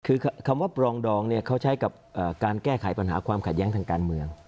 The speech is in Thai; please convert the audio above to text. คือคำว่าปรองดองเนี่ยเขาใช้กับการแก้ไขปัญหาความขัดแย้งทางการเมือง